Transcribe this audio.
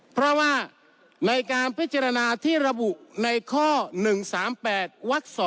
เพราะว่าในการพิจารณาที่ระบุในข้อ๑๓๘วัก๒